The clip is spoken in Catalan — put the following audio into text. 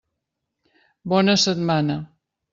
Bona setmana.